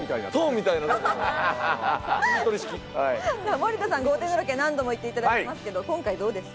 森田さん、豪邸のロケ、何度も行っていただいてますが、今回どうですか？